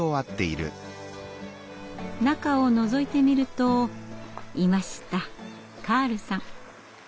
中をのぞいてみるといましたカールさん。